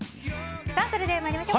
それでは、参りましょう。